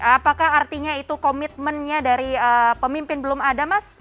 apakah artinya itu komitmennya dari pemimpin belum ada mas